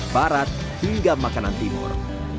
barat hingga makanan timur